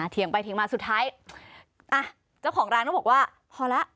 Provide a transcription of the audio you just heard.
เถียงไปเถียงมาสุดท้ายอ่ะเจ้าของร้านก็บอกว่าพอแล้ว